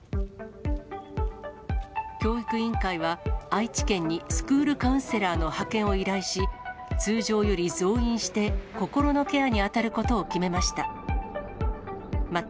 教育委員会は、愛知県にスクールカウンセラーの派遣を依頼し、通常より増員して、心のケアに当たることを決めました。